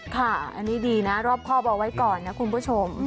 ค่ะอันนี้ดีนะรอบครอบเอาไว้ก่อนนะคุณผู้ชม